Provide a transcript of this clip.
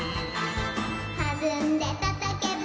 「はずんでたたけば」